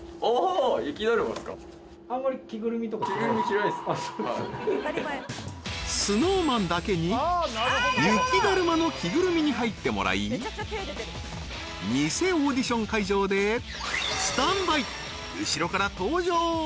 あっそうですかＳｎｏｗＭａｎだけに雪だるまの着ぐるみに入ってもらいニセオーディション会場でスタンバイ後ろから登場！